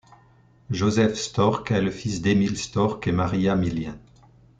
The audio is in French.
Joseph Storck est le fils d'Émile Storck et Maria Millien.